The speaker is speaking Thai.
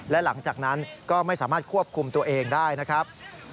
และหลังจากนั้นก็ไม่สามารถควบคุมตัวเองได้นะครับ